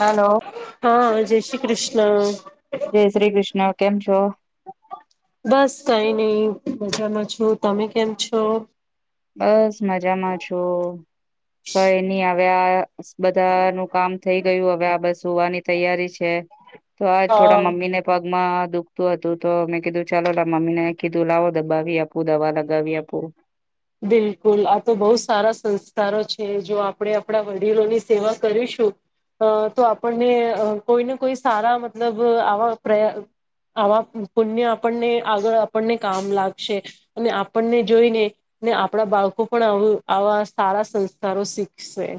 Hello હા જય શ્રી કૃષ્ણ જય શ્રી કૃષ્ણ કેમ છો બસ કઈ નહી મજામાં છું, તમે કેમ છો? બસ મજામાં છું. કઈ ની હવેઆ બધા નું કામ થઈ ગયું હવે આ બસ હોવાની તૈયારી છે. તો આ હા થોડા મમીને પ ગમાં દુખતું હતું. તો મેં કીધું ચાલો મમ્મી ને કીધું લાવો દબાવી આપું દવા લગાવી આપું. બિલકુલ આ તો બહુ સારા સંસ્કારો છે જો આપણે આપણા વડીલોની સેવા કરીશું અ તો આપણને કોઈને કોઈ સારા મતલબ આવા પ્રયા આવા પુણ્ય આપણને આગળ આપણને કામ લાગશે અને આપણને જોઈને ને આપણા બાળકો પણ આવા સારા સંસ્કારો શીખશે.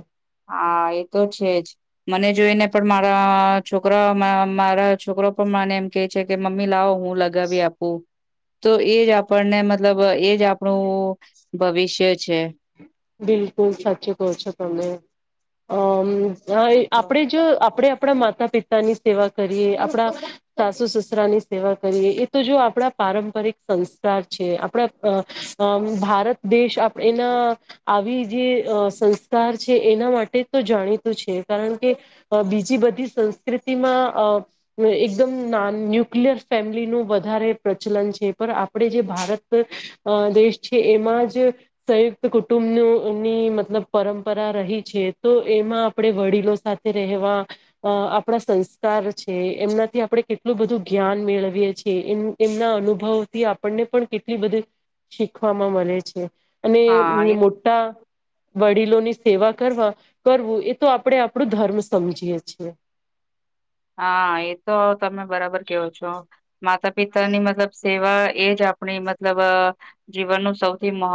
હા એ તો છેજ મને જોઈને પણ મારા છોકરા મારા છોકરો પણ મને એમ કે છે કે મમ્મી લાવો હું લગાવી આપું. તો એજ આપણને મતલબ એજ આપણું ભવિષ્ય છે. બિલકુલ સાચી કહો છો તમે અમ હા આપડે જો આપડે આપણા માતા પિતાની સેવા કરીએ આપણા સાસુ સસરાની સેવા કરીએ એ તો જો આપણા પારંપરિક સંસ્કાર છે. આપણા ભારત દેશ આપ એના આવી જે સંસ્કાર છે એના માટે તો જાણીતું છે કારણ કે બીજી બધી સંસ્કૃતિમાં એકદમ ન્યુક્લિયર ફેમિલી નું વધારે પ્ર [unintelligible] છે. આપણે જે ભારત દેશ છે એમાં જ સંયુક્ત કુટુંબની મતલબ પરંપરા રહી છે. તો એમાં આપણે વડીલો સાથે રહેવા અ આપણા સંસ્કાર છે. એમનાથી આપણે કેટલું બધું જ્ઞાન મેળવીએ છીએ. એમ ના અનુભવ થી આપણને પણ કેટલી બધી શીખવામાં મળે છે અને હા એ મોટા વડીલોની સેવા કરવા કરવું એ તો આપણે આપણું ધર્મ સમજીય છીએ. [inaudible] હા એતો તમે બરાબર કેવો છો માતા પિતા ની મતલબ સેવા એ જ આપણી મતલબ જીવનનું સૌથી મહ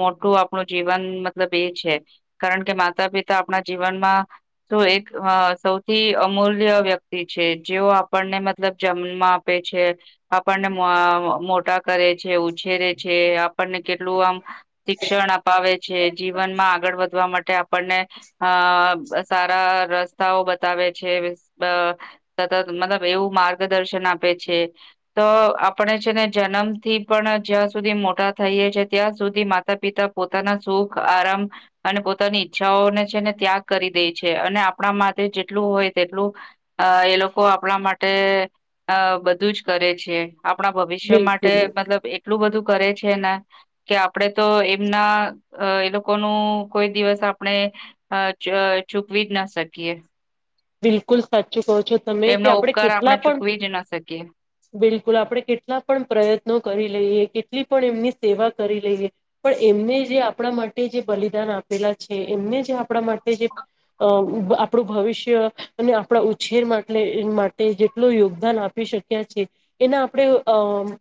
મોટું આપણું જીવન મતલબ એ છે. કારણ કે માતા પિતા આપણા જીવનમાં શું એક સૌથી અમૂલ્ય વ્યક્તિ છે. જેઓ આપણને મતલબ જમમાં આપે છે આપણને મોટા કરે છે, ઉછેરે છે. આપણને કેટલું આમ શિક્ષણ અપાવે છે. જીવનમાં આગળ વધવા માટે આપણને અ સારા રસ્તાઓ બતાવે છે. અ સતત મતલબ એવું માર્ગદર્શન આપે છે. તો આપણે છે ને જન મ થી પણ જ્યાં સુધી મોટા થઈએ છે ત્યાં સુધી માતા પિતા પોતાના સુખ આરામ અને પોતાની ઈચ્છાઓને છેને ત્યાગ કરી દે છે અને આપણા માટે જેટલું હોય તેટલું અ એ લોકો આપણા માટે અ બધું જ કરે છે. આપણા ભવિષ્ય માટે બિલકુલ મતલબ એટલું બધું કરે છે ને કે આપડે તો એમના એ લોકો નું કોઈ દિવસ આપણે અ જ ચૂકવી જ ના શકીએ. બિલકુલ સાચું કહો છો તમે કે એમનો આપડ ઉપકાર કેટલા આપણે પણ ચૂકવી જ ના શકીએ. બિલકુલ લ આપણે કેટલા પણ પ્રયત્નો કરી લઈએ કેટલી પણ એમની સેવા કરી લઈએ પણ એમને જે આપણા માટે જે બલિદાન આપેલા છે એમને જે આપણા માટે જે અ આપણું ભવિષ્ય આપણા ઉછેર માટે માટે જેટલ યોગદાન આપી શક્યા છે એના આપણે અ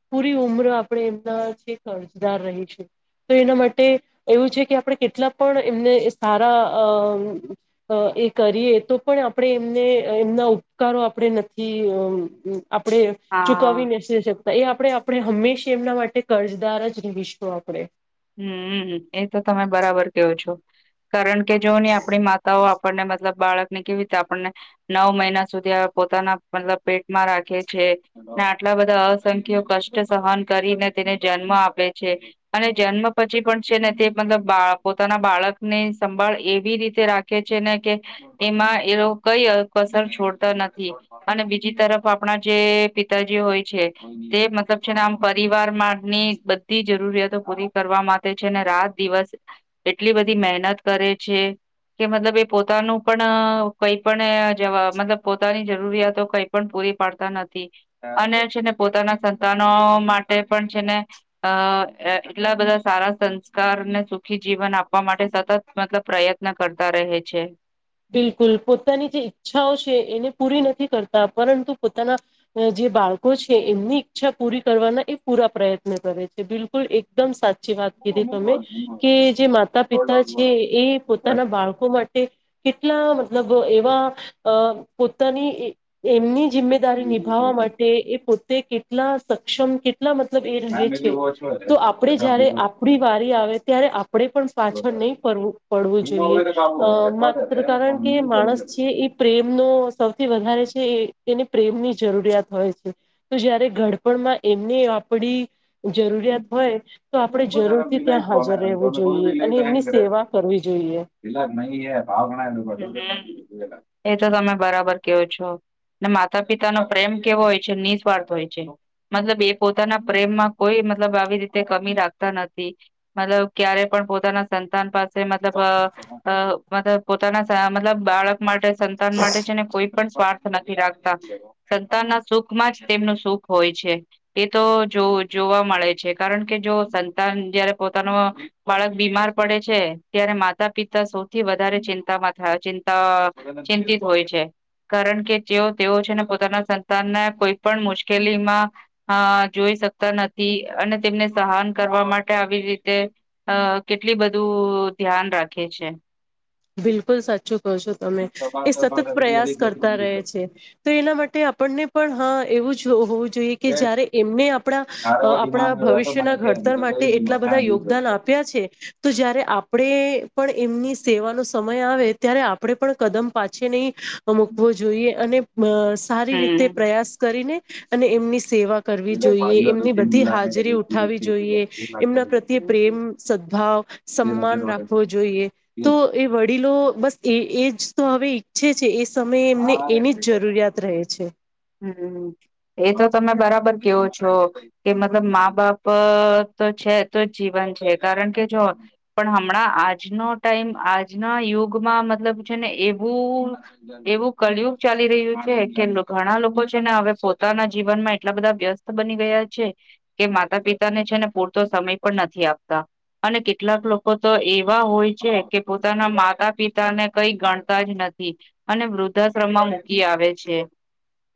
પૂરી ઉમર આપે એમના છે અરજદાર રહી છે. તો એના માટે એવું છે કે આપણે કેટલા પણ એમને સારા અ અ એ કરીએ તો પણ આપણે એમને એમના ઉપકારો આપણે નથી આપડણે હા ચુકવવીને એ આપણે આપણે હંમેશા એમના માટે કર્જદાર જ રહીશું આપણે. હમ એ તો તમે બરાબર કેવો છો કારણ કે જો નહી આપણી માતાઓ આપણને મતલબ બાળકને કેવી રીતે આપણને નવ મહિના સુધી પોતાના મતલબ પેટમાં રાખે છે. આટલા બધા અસંખ્ય કષ્ટ સહન કરીને તેને જન્મ આપે છે અને જન્મ પછી પણ છે ને તે મતલબ પોતાના બાળક ને સંભાળ એવી રીતે રાખે છે ને એમાં એ કઈ અકસર છોડતા નથી અને બીજી તરફ આપણા જે પિતાજી હોય છે તે મતલબ છે ને આમ પરિવાર ની બધી જરૂરિયાતો પૂરી કરવા માટે છે અનેને રાત દિવસ એટલી બધી મહેનત કરે છે. કે મતલબ એ પોતાનું પણ કઈ પણ જવા મતલબ પોતાની જરૂરિયાતો કઈ પણ એ પાડતા નથી અને છેને પોતાના સંતાનો માટે પણ છેને અ [inaudible] એટલા બધા સારા સંસ્કારને સુખી જીવન આપવા માટે સતત મતલબ પ્રયત્ન કરતા રહે છે. બિલકુલ પોતાની જે ઈચ્છાઓ છે એને પૂરી નથી કરતા પરંતુ પોતાના જે જે બાળકો છે એમની ઈચ્છા પૂરી કરવાના એ પૂરા પ્રયત્ન કરે છે બિલકુલ એકદમ સાચી વાત કરી તમે કે જે માતા પિતા છે એ પોતાના બાળકો માટે કેટલા મતલબ એવા અ પોતાની એમની જિમ્મેદારી નિભાવવા માટે એ પોતે કેટલા સક્ષમ કેટ મતલબ એ રહે છે તો આપણે જયારે આપણી વારી આવે ત્યારે આ આપણેે પણ પાછળ નહી પું પડવું જોઈએ અ મા કારણ કે માણસ છે એ પ્રેમ નો સો વધા રે છે એને પ્રેમની જરૂરિયાત હોય છે તો જયારે ગડપણમાં એમને આપને જરૂરિયાત હોય તો આપણે જરૂરથી ત્યાં હાજર રહેવું જોઈએ અને એમની સેવા કરવી જોઈએ. પેલા નહી ભ એ તો તમે બરાબર કેવો છો ને માતા પિતાનો પ્રેમ કેવો હોય છે નિસ્વાર્થ હોય છે મતલબ એ પોતાના પ્રેમમાં કોઈ મતલબ આવી રીતે કમી રાખતા નથી મતલબ ક્યારે પણ પોતાના સંતાન પાસે મતલબ અઅ પોતાના મતલબ બાળક માટે સંતાન માટે છે ને કોઈ સ્વાર્થ નથી રાખતા સંતાનના સુખ માં જ તેમનું સુખ હોય છે એ તો જો જોવા મળે છે કારણ કે જો સંતાન જયારે પોતાનું બાળક બીમાર પડે છે ત્યારે માતા પિતા સૌથી વધારે ચિંતામાં થ ચિંતા ચિંતિત હોય છે. કારણ કે જેઓ તેઓ છે ને પોતાના સંતાનને કોઈ પણ મુશ્કેલીમાં જોઈ શકતા નથી અને તેમને સહન કરવા માટે આવી રીતે અ કેટલી બધું ધ્યાન રાખે છે. બિલકુલ સાચું કહો છો તમે એ સતત પ્રયાસ કરતા રહે છે તો એના માટે આપણને પણ હા એવું જ હોવું જોઈએ કે જયારે એમને આપ આપણા ભવિષ્યના ઘડતર માટે એટલા બધા યોગદાન આપ્યા છે તો જ્યારે આપ આપણે પણ એમની સેવાનો સમય આવે ત્યારે આપણેે પણ કદમ પાછી નહી મૂકવો જોઈએ અને સારી રીતે હમ. પ્રયાસ કરીને અને એમની સેવા કરવી જોઈએ એમની બધી હાજરી ઉઠાવી જોઈએ એમના પ્રત્યે પ્રેમ ભાવ સમાન રાખવો જોઈએ. તો એ વડીલો બસ એ એજ તો હવે ઈચ્છે છે એ સમયે એમને હા એની જ હેપી બર્થ જરૂરિયાત રહે છે. હુમ એ તો તમે બરાબર. કેવું છો કે મતલબ મા બાપ તો છે તો જ જીવન છે કારણ કે જો પણ હમણાં આજનો ટાઈમ આજના યુગમાં મતલબ છે ને એવું એવું કળિયુગ ચાલી રહ્યું છે કે ઘણા લોકો છે ને હવે પોતાના જીવનમાં એટલા બધા વ્યસ્ત બની ગયા છે કે માતા પિતાને છે ને પૂરતો સમય પણ નથી આપતા. અને કેટલાક લોકો તો એવા હોય છે કે પોતાના માતા પિતા ને કઈ ગણતા જ નથી. [unintelligible] અને વૃદ્ધાશ્રમમાં મૂકી આવે છે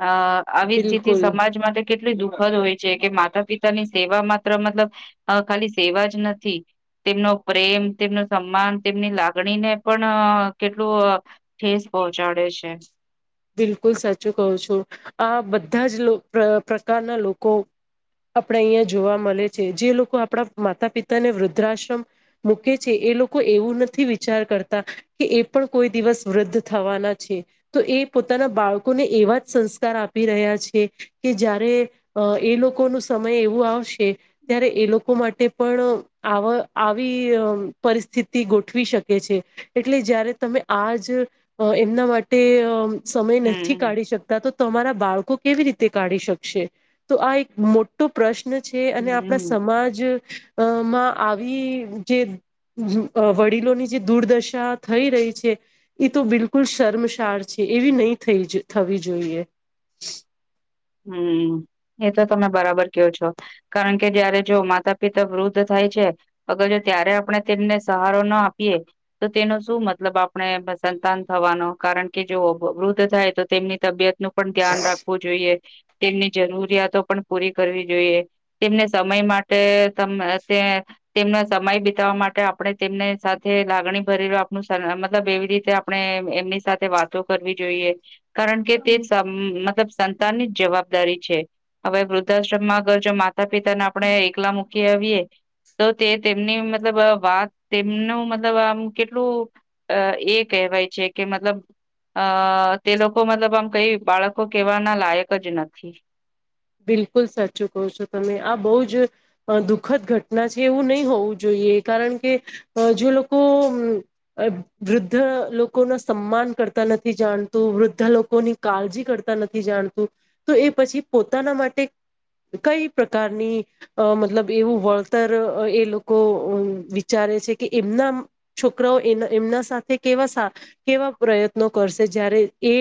આ આવી સ્થિતિ બિલકુલ સમાજ માટે કેટલી [unintelligible] દુઃખદ હોય છે કે માતા પિતાની સેવા માત્ર મતલબ અ ખાલી સેવા જ નથી. તેમનો પ્રેમ તેમનું સન્માન તેમની લાગણીને પણ અ કેટલું અ ઠેસ પહોંચાડે છે. બિલકુલ સાચું કહું છું આ બધા જ લો અ પ્રકારના લોકો આપણે અહિયાં જોવા મલે છે જે લોકો આપણા માતા પિતાને વૃદ્ધાશ્રમ મૂકે છે એ એ લોકો એવું નથી વિચાર કરતા કે એ પણ કોઈ દિવસ વૃદ્ધ થવાના છે તો એ પોતાના બાળકોને એવા જ સંસ્કાર આપી રહ્યા છે કે જયારે અ એ લોકોનું સમય એવું આવશે ત્યારે એ લોકો માટે પણ અ આવ આવી અ પરિસ સ્થિતિ ગોઠવી શકે છે એટલે જયારે તમે આ જ અ એમના માટે અ સમય નથી હમ કાઢી શકતા તો તમારા બાળકો કેવી રીતે કાઢી શકશે તો આ એક મોટો પ્રશ્ન છે અને આપણા હમ સમાજ અ માં આવી અ જે અ વડીલોની જે દુર્દશા થઈ રહી છે એ તો બિલકુલ શર્મશાળ છે. એવી નહી થઈ જ થવી જોઈએ. હમ એ તો તમે બરાબર કો છો કારણ કે જયારે જો માતા પિતા વૃદ્ધ થા [unintelligible] અગર જો ત્યારે આપણે તેમને સહારો ના આપીએ તો તેનો શું મતલબ આપણે સંતાન થવાનો કારણ કે જો અ વૃદ્ધ થાય તો તેમની તબિયત નું પણ ધ્યાન રાખવું જોઈએ. તેમની જરૂરિયાતો પણ પૂરી કરવી જોઈએ તેમને સમય માટે અ તમે અ [unintelligible] તેમનો સમય બીતાવવા માટે આપણે તેમને સાથે લાગણી ભરેલું આપણું સ મતલબ એવી રી આપણે એમની સાથે વાતો કરવી જોઈએ કારણ કે તે [unintelligible] મતલબ સ પોતાની જવાબદારી છે. હવે વૃદ્ધાશ્રમમાં અગળ જો માતા પિતાને આપણે અ એકલા મૂકી આવીએ તો તે તેમની મતલબ વ વાત તેમનું મતલબ અ આમ કેટલું અ એ કહેવાય છે કે મતલબ અ તે લોકો મતલબ આમ કઈ બાળકો કહેવાના લાયક જ નથી. બિલકુલ સાચું કહો છો તમે આ બહુ જ અ દુઃખદ ઘટના છે એવું નહી હોવું જો કારણ કે અ જે લોકો અ અ વૃદ્ધ અ લોકો ના સન્માન કરતા નથી જાણતું વૃદ્ધા લોકોની કાળજી કરતા નથી જાણતું તો એ પછી પોતા- તના માટે કઈ પ્રકારની અ મતલબ એવું વળતર અ એ લોકો અ વિચાર [unintelligible] છે કે એમના અ છોકરાઓ એમ એમના સાથે કેવા સા કેવા પ્રયત્નો કરશે જયા [unintelligible] એ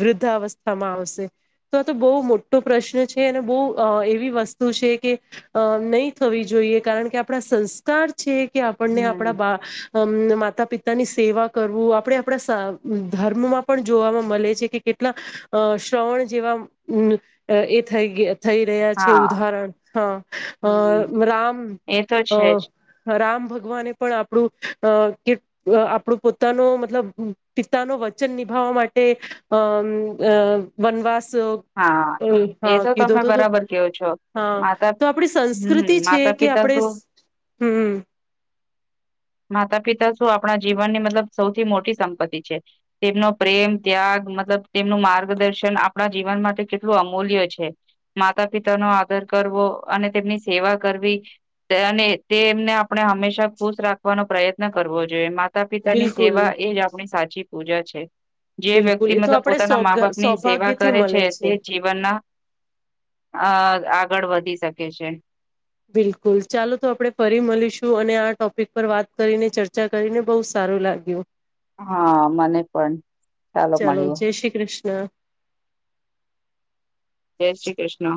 વૃદ્ધસ્થામાં આવશે તો તો બહું મો તો પ્રશ્ન છે અને બહુ અ એવી વસ્તુ છે કે અ નહી થવી જોઈએ કારણ કે આપડા સંસ્કાર છે કે આપણને હમ આપણા બા અ માતા પિતા પોતાની સેવા કરવું આપણે આપણા સ ધર્મમાં પણ જોવામાં મળે છે કે કેટલા અ શ્રવણ જેવા અ અ એ થઈ ગય થઈ રહ્યા છે હા ઉદાહરણ હા હમ અ રામ એ તો છે જ અ રામ ભગવાને પણ આપણું અ કે અ આપણું પોતાનો મતલબ અ પિતાનો વચન નિભાવવા માટે અ અ વનવાસ હા... એ હા તો કીધો તમે તો બરાબર કેવો છો. હા માતા તો આપણી સંસ્કૃતિ હમ છે માતા કે પિતા આપણે શું. હમ માતા પિતા શું અ આપણા જીવનની મતલબ સૌથી મોટી સંપત્તિ છે તેમનો પ્રેમ ત્યાગ મતલબ તેમનું માર્ગ દર્શન આપણા જીવન માટે કેટલું અમૂલ્ય છે. માતા પિતાનો આદર કરવો અને તેમની સેવા કરવી તે અને તે એમને આપણે હંમેશા ખુશ રાખવાનો પ્રયત્ન કરવો જોઈએ માત તા પિતાની બિલકુલ સેવા એજ આપણી સાચી પૂજા છે. જે બિલકુલ વ્યક્તિ એ તો મતલબ આપણે સૌ પોતાના મા બાપ ની સેવા સૌભાગ્યથી કરે છે મળે તે જીવનના અ આગળ વધી શકે છે. બિલકુલ ચાલો તો આપણે ફરી મળીશું અને આ ટોપિક પર વાત કરીને ચર્ચા કરીને બઉ સા સારું લાગ્યું. હા મને પણ ચાલો મળીએ. હા. જય શ્રી કૃષ્ણ.